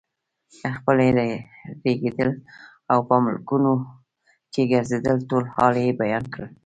خپل ربړېدل او په ملکونو کې ګرځېدل ټول حال یې بیان کړ.